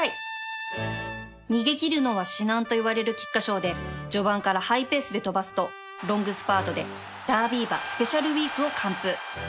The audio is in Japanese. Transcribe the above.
逃げ切るのは至難といわれる菊花賞で序盤からハイペースで飛ばすとロングスパートでダービー馬スペシャルウィークを完封